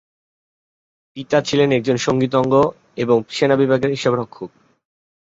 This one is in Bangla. পিতা ছিলেন একজন সঙ্গীতজ্ঞ এবং সেনা বিভাগের হিসাব পরীক্ষক।